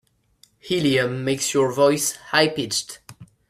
Helium makes your voice high pitched.